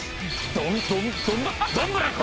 ドンドンドンドンブラコ！